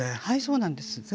はいそうなんです。